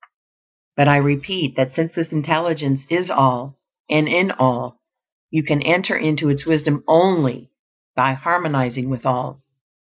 But I repeat that since this Intelligence is All, and in all, you can enter into Its wisdom only by harmonizing with all.